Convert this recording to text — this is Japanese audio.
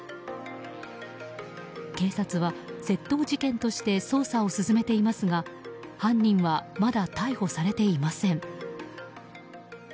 警察は窃盗事件として捜査を進めていますが犯人は、まだ逮捕されていません。